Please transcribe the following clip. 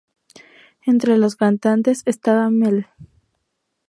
Entre los cantantes estaba Mlle.